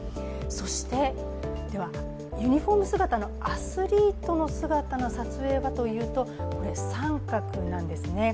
そして、ユニフォーム姿のアスリートの撮影はといいますと、△なんですね。